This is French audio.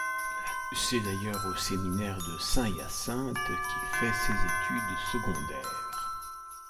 C'est d'ailleurs au Séminaire de Saint-Hyacinthe qu'il fait ses études secondaires.